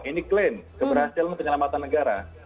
ini klaim keberhasilan penyelamatan negara